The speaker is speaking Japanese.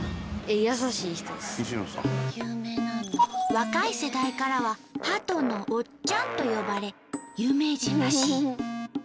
若い世代からは「ハトのおっちゃん」と呼ばれ有名人らしい。